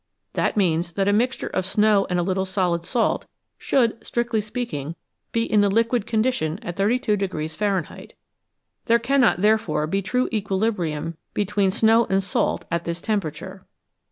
That means that a mixture of snow and a little solid salt should, strictly speaking, be in the liquid condition at 32 Fahrenheit ; there cannot therefore be true equilibrium between snow and salt at this temperature.